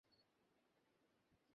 যদি হয় তো কাল সমস্ত ভস্ম হইয়া যাইবে।